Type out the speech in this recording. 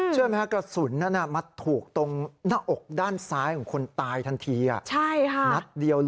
เชื่อไม่คะกระสุนมาถูกตรงหน้าอกด้านซ้ายของคนตายทันที